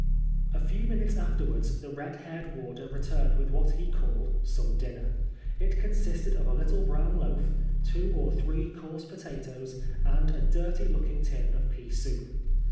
A FEW minutes afterwards the red haired warder re turned with what he called " some dinner." It con sisted of a little brown loaf, two or three coarse potatoes, and a dirty looking tin of pea sonp.